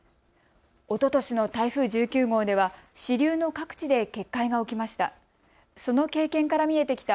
おととしの台風１９号では支流の各地で決壊が起きました。